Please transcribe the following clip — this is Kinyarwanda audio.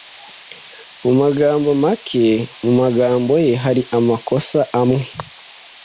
Mu magambo make, mu magambo ye hari amakosa amwe